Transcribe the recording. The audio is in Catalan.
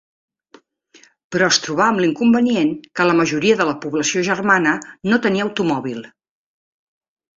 Però es trobà amb l'inconvenient que la majoria de la població germana no tenia automòbil.